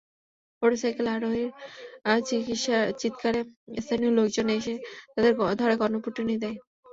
Motorcycle আরোহীর চিৎকারে স্থানীয় লোকজন এগিয়ে এসে তাঁদের ধরে গণপিটুনি দেয়।